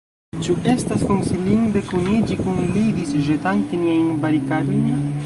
Ĉu estas konsilinde kuniĝi kun li, disĵetante niajn barikadojn?